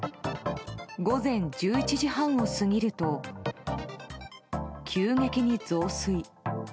午前１１時半を過ぎると急激に増水。